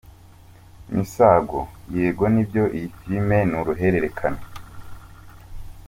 Misago : Yego ni byo, iyi filimi ni uruhererekane.